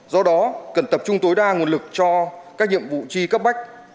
do đó cần tập trung tối đa nguồn lực cho các nhiệm vụ chi cấp bách